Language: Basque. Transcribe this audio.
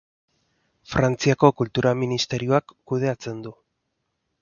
Frantziako Kultura Ministerioak kudeatzen du.